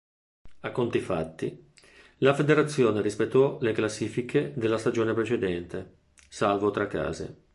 A conti fatti, la Federazione rispettò le classifiche della stagione precedente, salvo tre casi.